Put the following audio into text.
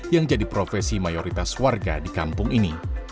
yang jadi profesi mayoritas warga di kampung ini